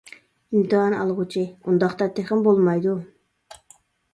ئىمتىھان ئالغۇچى : ئۇنداقتا تېخىمۇ بولمايدۇ.